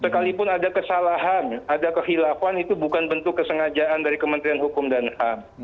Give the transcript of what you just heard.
sekalipun ada kesalahan ada kehilafan itu bukan bentuk kesengajaan dari kementerian hukum dan ham